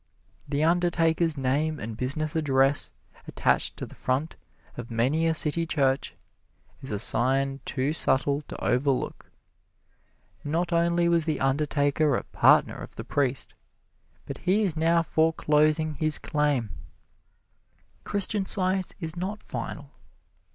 The undertaker's name and business address attached to the front of many a city church is a sign too subtle to overlook. Not only was the undertaker a partner of the priest, but he is now foreclosing his claim. Christian Science is not final.